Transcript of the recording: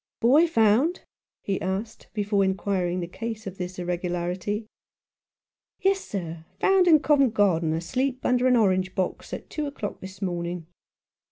" Boy found ?" he asked, before inquiring the cause of this irregularity. " Yes, sir ; found in Covent Garden, asleep under an orange box at two o'clock this morning.